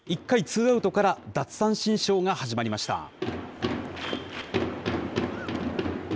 １回ツーアウトから奪三振ショーが始まりました。